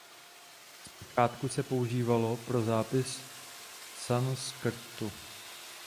Zpočátku se používalo pro zápis sanskrtu.